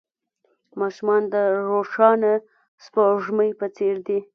ماشومان د روښانه سپوږمۍ په څېر دي.